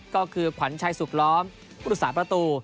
ก็คือขวัญชัยสุขล้อมพุทธศาสตประตู